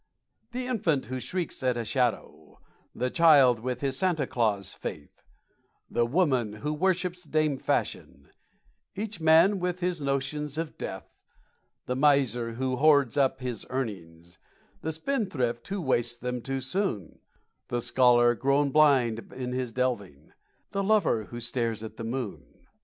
The infant who shrieks at a shadow, The child with his Santa Claus faith, The woman who worships Dame Fashion, Each man with his notions of death, The miser who hoards up his earnings, The spendthrift who wastes them too soon, The scholar grown blind in his delving, The lover who stares at the moon.